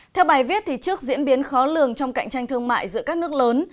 theo bài viết trước diễn biến khó lường trong cạnh tranh thương mại giữa các nước lớn